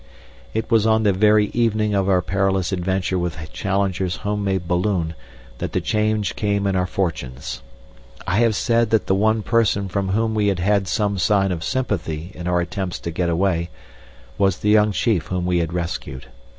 It was on the very evening of our perilous adventure with Challenger's home made balloon that the change came in our fortunes. I have said that the one person from whom we had had some sign of sympathy in our attempts to get away was the young chief whom we had rescued.